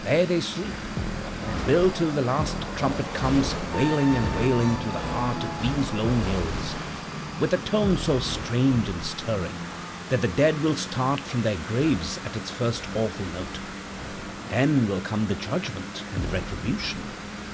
There they sleep, and will till the last trumpet comes wailing and wailing through the heart of these lone hills, with a tone so strange and stirring, that the dead will start from their graves at its first awful note. Then will come the judgment and the retribution.